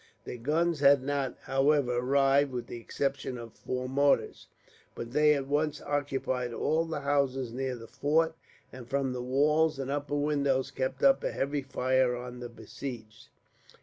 Their guns had not, however, arrived, with the exception of four mortars; but they at once occupied all the houses near the fort, and from the walls and upper windows kept up a heavy fire on the besieged.